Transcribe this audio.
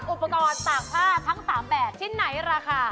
อุปกรณ์ตากผ้าทั้ง๓แบบชิ้นไหนราคา